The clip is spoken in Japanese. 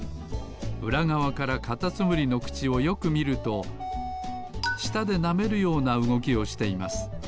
うらがわからカタツムリのくちをよくみるとしたでなめるようなうごきをしています。